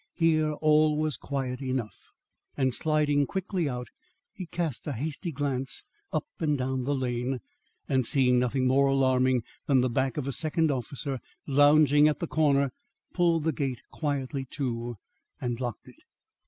Here all was quiet enough, and sliding quickly out, he cast a hasty glance up and down the lane, and seeing nothing more alarming than the back of a second officer lounging at the corner, pulled the gate quietly to, and locked it.